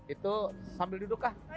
itu sambil duduk lah